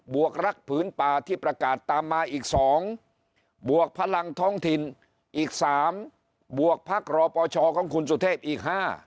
วกรักผืนป่าที่ประกาศตามมาอีก๒บวกพลังท้องถิ่นอีก๓บวกพักรอปชของคุณสุเทพอีก๕